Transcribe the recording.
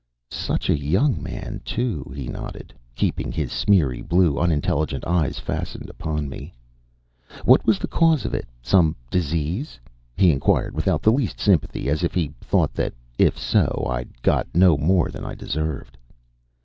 "Such a young man, too!" he nodded, keeping his smeary blue, unintelligent eyes fastened upon me. "What was the cause of it some disease?" he inquired, without the least sympathy and as if he thought that, if so, I'd got no more than I deserved.